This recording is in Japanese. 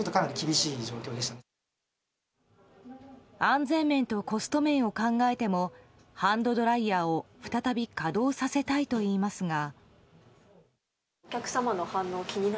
安全面とコスト面を考えてもハンドドライヤーを再び稼働させたいといいますが。